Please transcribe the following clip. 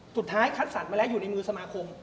คัดสรรมาแล้วอยู่ในมือสมาคม